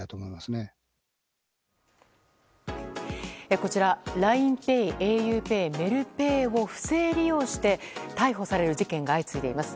こちらＬＩＮＥＰａｙａｕＰＡＹ、メルペイを不正利用して逮捕される事件が相次いでいます。